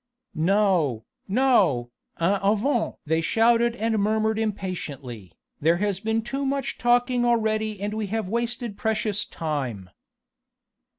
"No! no! en avant!" they shouted and murmured impatiently, "there has been too much talking already and we have wasted precious time."